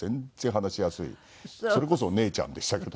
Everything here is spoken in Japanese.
それこそ姉ちゃんでしたけど。